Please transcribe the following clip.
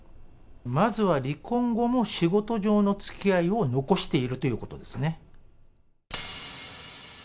まずは離婚後も、仕事上のつきあいを残しているということですね。